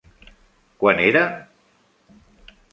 Quant era?